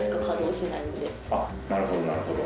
あっなるほどなるほど。